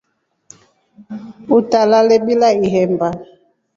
Utalale bila ihemba.